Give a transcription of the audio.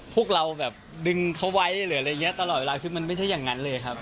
พวกเราแบบดึงเขาไว้หรืออะไรอย่างนี้ตลอดเวลาคือมันไม่ใช่อย่างนั้นเลยครับ